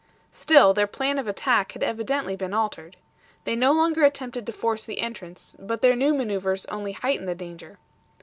Still, their plan of attack had evidently been altered. They no longer attempted to force the entrance, but their new maneuvers only heightened the danger.